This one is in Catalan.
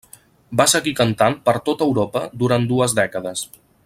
Va seguir cantant per tot Europa durant dues dècades.